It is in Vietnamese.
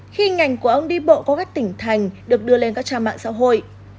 khi ngành của ông đi bộ qua các tỉnh thành được đưa lên các trang mạng xã hội